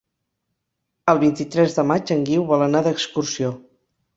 El vint-i-tres de maig en Guiu vol anar d'excursió.